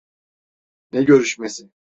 Ne görüşmesi?